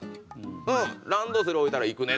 「うんランドセル置いたら行くね！」